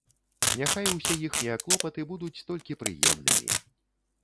Няхай усе іхнія клопаты будуць толькі прыемнымі.